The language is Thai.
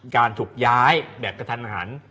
การถูกย้ายแบบกระทันหัน